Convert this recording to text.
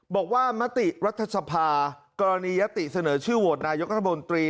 บอกว่ามติรัฐสภากรณียติเสนอชื่อโหวตนายกรรมดรี